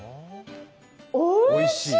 おいしい！